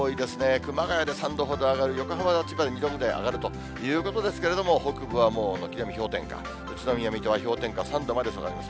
熊谷で３度ほど上がる、横浜や千葉で２度ぐらい上がるということですけれども、北部はもう軒並み氷点下で、宇都宮、水戸は氷点下３度まで下がります。